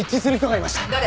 誰？